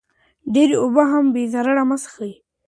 ډېرې اوبه هم بې ضرورته مه څښئ.